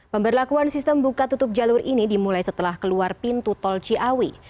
pemberlakuan sistem buka tutup jalur ini dimulai setelah keluar pintu tol ciawi